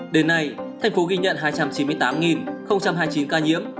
đến nay thành phố ghi nhận hai trăm chín mươi tám hai mươi chín ca nhiễm